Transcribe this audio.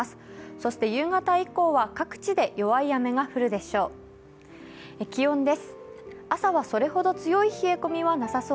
そして夕方以降は各地で弱い雨が降るでしょう。